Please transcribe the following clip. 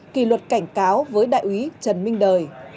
kỳ luật cảnh cáo với đại úy trần minh đời